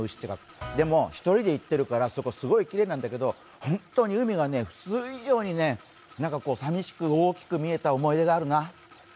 でも、１人で行ってるから、きれいなんだけど本当に海が普通以上に寂しく大きく見えた思い出があるな。